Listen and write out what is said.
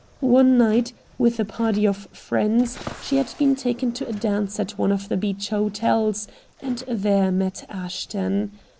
One night, with a party of friends, she had been taken to a dance at one of the beach hotels, and there met Ashton.